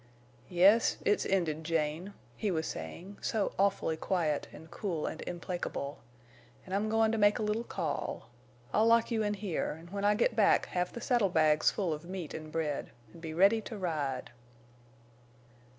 "Yes, it's ended, Jane," he was saying, so awfully quiet and cool and implacable, "an' I'm goin' to make a little call. I'll lock you in here, an' when I get back have the saddle bags full of meat an bread. An' be ready to ride!"